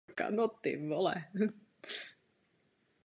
Během svého života napsal celkem patnáct knih a větší množství povídek.